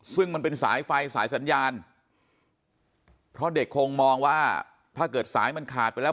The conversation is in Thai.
ซึ่งมันเป็นสายไฟสายสัญญาณเพราะเด็กคงมองว่าถ้าเกิดสายมันขาดไปแล้ว